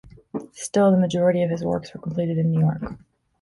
Still, the majority of his works were completed in New York.